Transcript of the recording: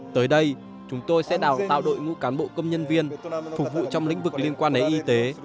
tới đây chúng tôi sẽ đào tạo đội ngũ cán bộ công nhân viên phục vụ trong lĩnh vực liên quan đến y tế